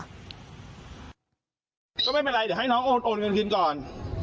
ก็ไม่เป็นไรเดี๋ยวให้น้องโอนเงินคืนก่อน